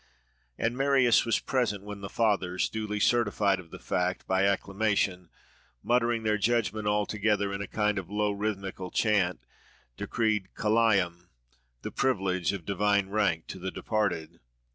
And Marius was present when the Fathers, duly certified of the fact, by "acclamation," muttering their judgment all together, in a kind of low, rhythmical chant, decreed Caelum—the privilege of divine rank to the departed.